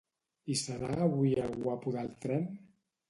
Hi serà avui el guapo del tren?